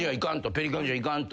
ペリカンではいかんと。